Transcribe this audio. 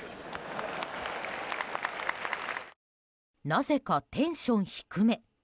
なぜかテンション低め。